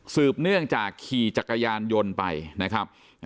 ืบเนื่องจากขี่จักรยานยนต์ไปนะครับ